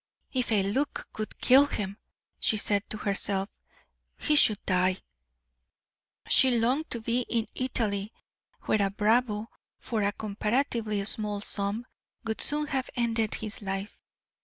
"If a look could kill him," she said to herself, "he should die." She longed to be in Italy, where a bravo, for a comparatively small sum, would soon have ended his life.